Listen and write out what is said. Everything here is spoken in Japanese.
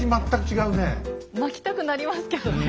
まきたくなりますけどね。